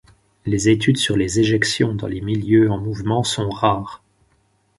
Les études sur les éjections dans les milieux en mouvement sont rares.